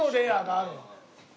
あるの！